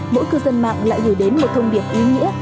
mỗi cư dân mạng lại gửi đến một thông điệp ý nghĩa